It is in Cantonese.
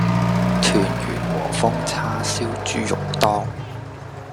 圑圓和風叉燒豬肉丼